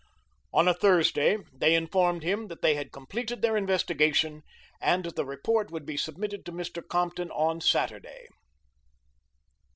On a Thursday they informed him that they had completed their investigation, and the report would be submitted to Mr. Compton on Saturday.